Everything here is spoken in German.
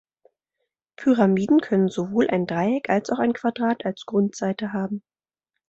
Pyramiden können sowohl ein Dreieck als auch ein Quadrat als Grundseite haben.